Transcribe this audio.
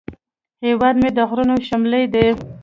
هیواد مې د غرونو شملې دي